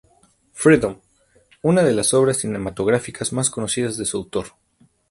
Freedom", una de las obras cinematográficas más conocidas de su autor.